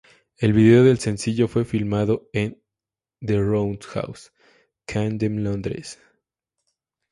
El video del sencillo fue filmado en The Roundhouse, Camden, Londres.